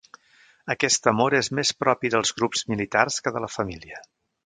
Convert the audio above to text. Aquest amor és més propi dels grups militars que de la família.